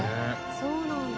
そうなんだ。